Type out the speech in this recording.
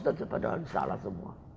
dan setelah itu salah semua